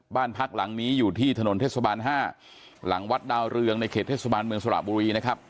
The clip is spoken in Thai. บ้านพักหลังนี้อยู่ที่ถนนเทศบาล๕หลังวัดดาวเรืองในเขตเทศบาลเมืองสระบุรีนะครับ